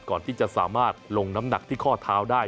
ก่อนที่จะสามารถลงน้ำหนักที่ข้อเท้าได้